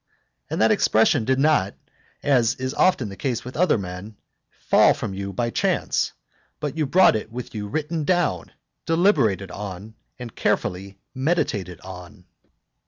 And that expression did not as is often the case with other men fall from you by chance, but you brought it with you written down, deliberated on, and carefully meditated on.